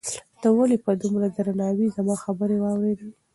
تا ولې په دومره درناوي زما خبرې واورېدې؟